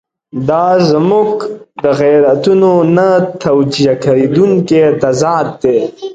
دا زموږ د غیرتونو نه توجیه کېدونکی تضاد دی.